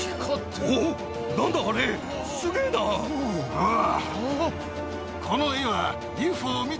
ああ。